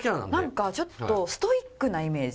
なんかちょっとストイックなイメージ。